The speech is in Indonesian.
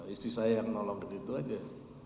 istri saya yang nolong begitu aja